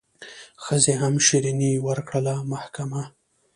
ښځي هم شیریني ورکړله محکمه